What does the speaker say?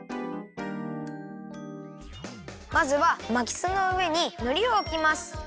まずはまきすのうえにのりをおきます。